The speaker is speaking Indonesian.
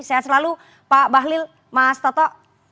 sehat selalu pak bahlil mas toto